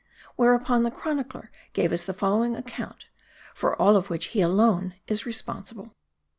Whereupon the chronicler gave us the following account ; for all of which he alone is responsible.